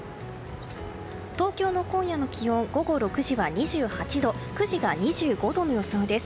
東京の今夜の気温午後６時は２８度９時が２５度の予想です。